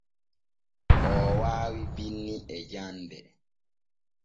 Oo waawi binni e jande.